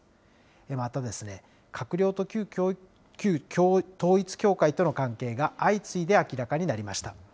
また、閣僚と旧統一教会との関係が相次いで明らかになりました。